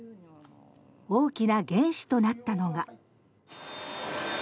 大きな原資となったのが。